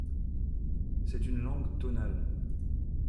C'est une langue tonale.